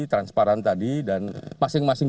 transparan tadi dan masing masing